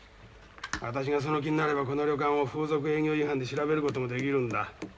私がその気になればこの旅館を風俗営業違反で調べる事もできるんだ。